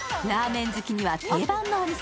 ラーメン好きには定番のお店。